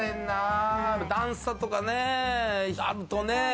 段差とかね、あるとね。